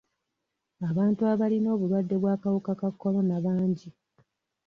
Abantu abalina obulwadde bw'akawuka ka kolona bangi.